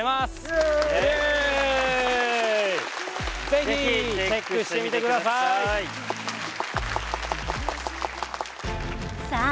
イエーイ是非チェックしてみてくださいさあ